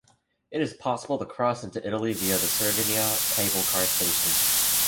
It is possible to cross into Italy via the Cervinia cable car station.